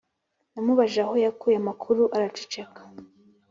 Namubajije aho yakuye amakuru araceceka